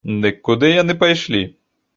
Дык куды яны пайшлі?